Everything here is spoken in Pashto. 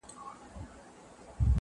دا نن يې لا سور ټپ دی د امير پر مخ گنډلی